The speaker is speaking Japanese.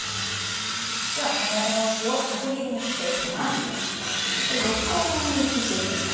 では、このお餅を角切りにしていきます。